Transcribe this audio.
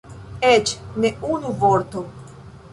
Eĉ ne unu vorto.